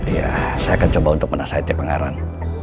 iya saya akan coba untuk menasihati pangeran